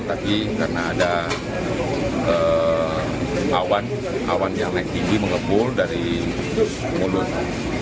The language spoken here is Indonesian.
tapi karena ada awan awan yang naik tinggi mengepul dari mulut